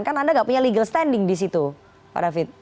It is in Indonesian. kan anda nggak punya legal standing di situ pak david